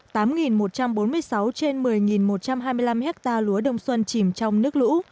tám một trăm bốn mươi sáu trên một mươi một trăm hai mươi năm hectare lúa đông xuân chìm trong nước lũ